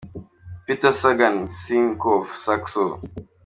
Peter Sagan -Tinkoff - Saxo ".